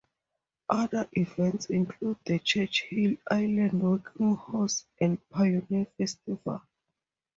Other events include the Churchill Island Working Horse and Pioneer Festival.